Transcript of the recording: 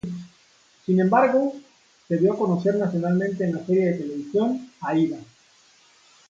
Sin embargo, se dio a conocer nacionalmente en la serie de televisión "Aída".